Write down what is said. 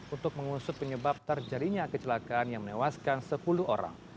untuk mengusut penyebab terjadinya kecelakaan yang menewaskan sepuluh orang